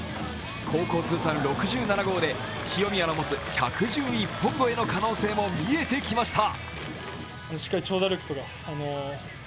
高校通算６７号で清宮の持つ１１１本超えの可能性も見えてきました。